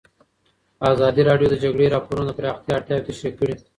ازادي راډیو د د جګړې راپورونه د پراختیا اړتیاوې تشریح کړي.